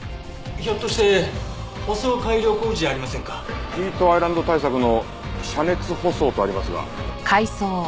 ひょっとして舗装改良工事じゃありませんか？「ヒートアイランド対策の遮熱舗装」とありますが。